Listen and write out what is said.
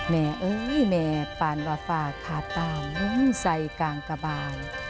แม่เอ๊ยแม่ปานวฟาคาตาวลุ้งใส่กางกะบาย